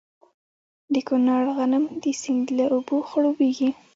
د کونړ غنم د سیند له اوبو خړوبیږي.